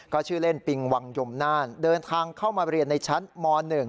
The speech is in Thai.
ก็ชื่อเล่นปิงวังยมน่านเดินทางเข้ามาเรียนในชั้นม๑